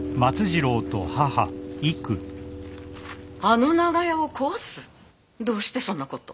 あの長屋を壊す？どうしてそんな事。